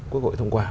quốc hội thông qua